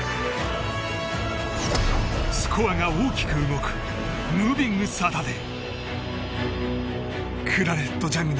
スコアが大きく動くムービングサタデー。